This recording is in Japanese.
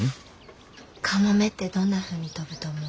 カモメってどんなふうに飛ぶと思う？